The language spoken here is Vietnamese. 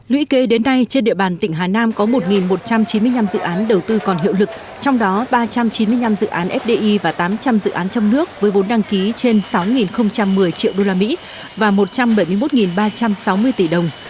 lũy kế đến nay trên địa bàn tỉnh hà nam có một một trăm chín mươi năm dự án đầu tư còn hiệu lực trong đó ba trăm chín mươi năm dự án fdi và tám trăm linh dự án trong nước với vốn đăng ký trên sáu một mươi triệu usd và một trăm bảy mươi một ba trăm sáu mươi tỷ đồng